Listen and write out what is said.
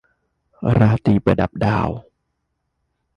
ราตรีประดับดาว